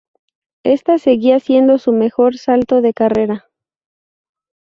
Esta seguía siendo su mejor salto de carrera.